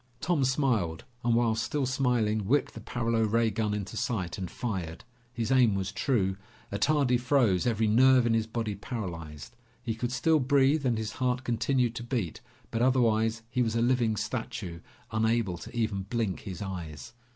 Tom smiled, and while still smiling, whipped the paralo ray gun into sight and fired. His aim was true. Attardi froze, every nerve in his body paralyzed. He could still breathe and his heart continued to beat, but otherwise, he was a living statue, unable to even blink his eyes.